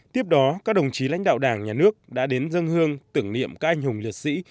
tiếp đó các đồng chí lãnh đạo đảng nhà nước đã đến dân hương tưởng niệm các anh hùng liệt sĩ